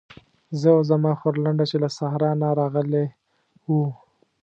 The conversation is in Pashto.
زه او زما خورلنډه چې له صحرا نه راغلې وو.